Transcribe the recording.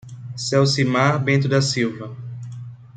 Ceucimar Bento da Silva